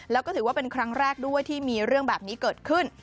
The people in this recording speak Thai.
แล้วก็ถือว่าเป็นครั้งแรกด้วยที่มีเรื่องแบบนี้เกิดขึ้น